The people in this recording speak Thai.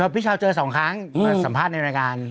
พี่เช้าเจอ๒ครั้งมาสัมภาษณ์ในรายการ